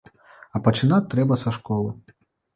А пачынаць трэба са школы.